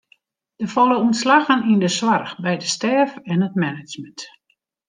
Der falle ûntslaggen yn de soarch, by de stêf en it management.